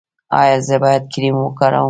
ایا زه باید کریم وکاروم؟